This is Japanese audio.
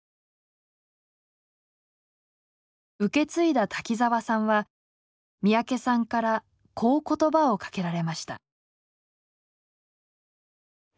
受け継いだ滝沢さんは三宅さんからこう言葉をかけられました。